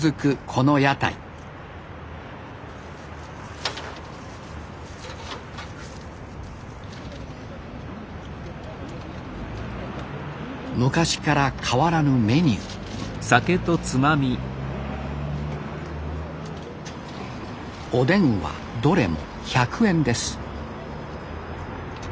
この屋台昔から変わらぬメニューおでんはどれも１００円です